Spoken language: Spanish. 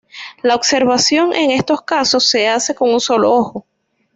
La observación en estos casos se hace con un solo ojo.